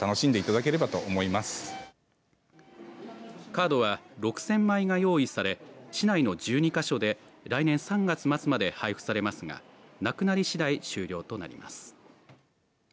カードは６０００枚が用意され市内の１２か所で来年３月末まで配布されますがなくなりしだい終了となります。